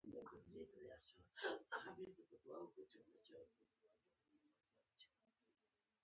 مارکوس خپل زوی ځایناستی ټاکلی و.